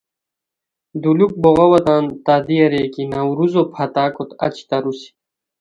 دولوک بوغاوا تان تعدی اریر کی نوروزو پھتاکوت اچی تاروسی